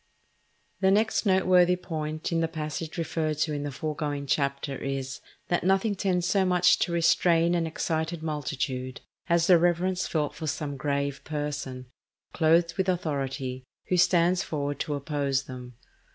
The next noteworthy point in the passage referred to in the foregoing Chapter is, that nothing tends so much to restrain an excited multitude as the reverence felt for some grave person, clothed with authority, who stands forward to oppose them.